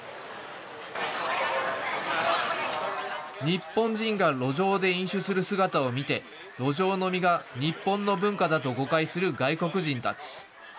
日本人が路上で飲酒する姿を見て路上飲みが日本の文化だと誤解する外国人たち。